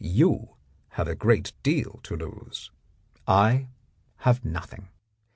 You have a great deal to lose; I have nothing.